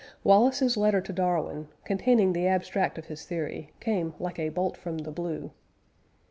Wallace's letter to Darwin, containing the abstract of his theory, came "like a bolt from the blue."